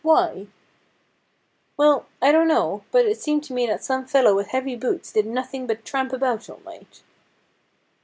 Why ?'' Well, I don't know, but it seemed to me that some fellow with heavy boots did nothing but tramp about all night.'